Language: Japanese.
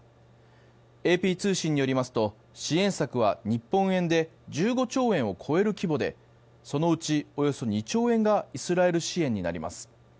ＡＰ通信によりますと支援策は日本円で１５兆円を超える規模でそのうちおよそ２兆円がイスラエル支援になります。